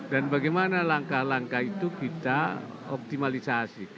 dan bagaimana langkah langkah itu kita optimalisasi